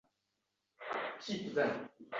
Olib bersam bunaqa qilyapti.